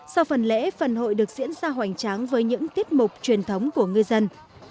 sau phần lễ phần hội được diễn ra hoành tráng với những tiết mục truyền thống của ngư dân